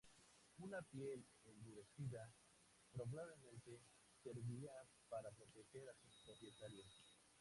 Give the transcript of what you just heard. Una piel endurecida probablemente servía para proteger a su propietario.